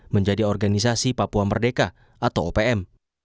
menjadi organisasi papua merdeka atau opm